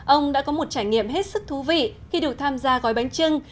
ông đã có một trải nghiệm hết sức thú vị khi được tham gia gói bánh trưng